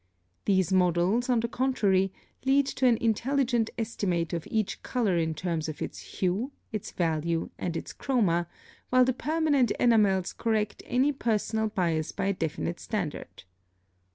These models, on the contrary, lead to an intelligent estimate of each color in terms of its hue, its value, and its chroma; while the permanent enamels correct any personal bias by a definite standard.